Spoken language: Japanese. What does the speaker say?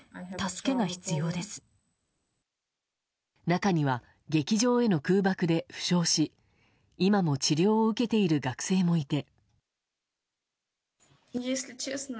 中には劇場への空爆で負傷し今も治療を受けている学生もいて。